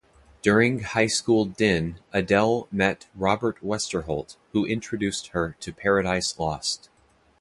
During high school den Adel met Robert Westerholt who introduced her to Paradise Lost.